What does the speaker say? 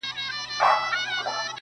وړونه مي ټول د ژوند پر بام ناست دي~